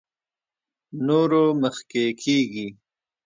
نورو مخکې کېږي.